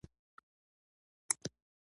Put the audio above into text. پر خپل امبرسایکل باندې کورته ورسېد.